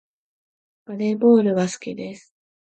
バレーボールは好きです